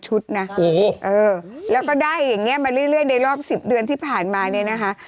นะแล้วก็ได้อย่างนี้มาเรื่อยในรอบ๑๐เดือนที่ผ่านมาเนี่ยนะคะ